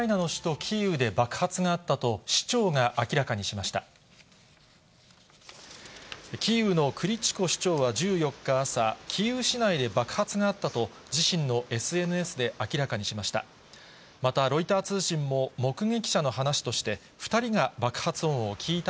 キーウのクリチコ市長は１４日朝、キーウ市内で爆発があったと、自身のＳＮＳで明らかにしました。